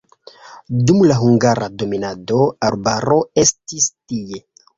Dum la hungara dominado arbaro estis tie.